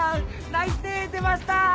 内定出ました！